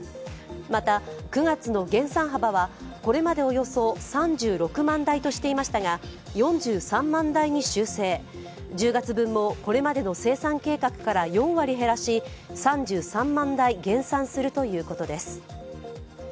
また、９月の減産幅はこれまでおよそ３６万台としていましたが、４３万台に修正、１０月分もこれまでの生産計画から４割減らし３３万台減産するということです。